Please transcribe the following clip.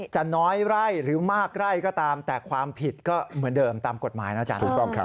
จะน้อยไร่หรือมากไร่ก็ตามแต่ความผิดก็เหมือนเดิมตามกฎหมายนะอาจารย์ถูกต้องครับ